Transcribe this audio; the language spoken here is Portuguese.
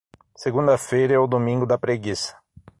Segunda-feira é o domingo da preguiça.